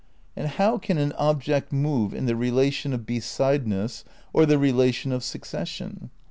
And how can an object move in the relation of besideness, or the relation of succession?